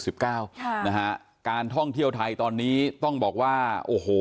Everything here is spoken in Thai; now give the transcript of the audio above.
สิบเก้าค่ะนะฮะการท่องเที่ยวไทยตอนนี้ต้องบอกว่าโอ้โห